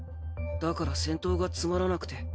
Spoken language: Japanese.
だから戦闘がつまらなくて。